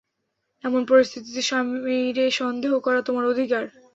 এমন পরিস্থিতিতে, স্বামীরে সন্দেহ করা তোমার অধিকার।